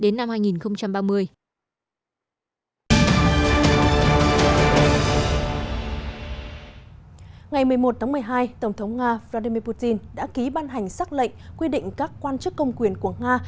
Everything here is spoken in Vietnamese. ngày một mươi một tháng một mươi hai tổng thống nga vladimir putin đã ký ban hành xác lệnh quy định các quan chức công quyền của nga